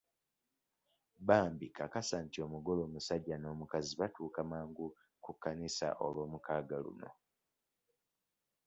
Bambi kakasa nti omugole omusajja n'omukazi batuuka mangu ku kkanisa olwomukaaga luno.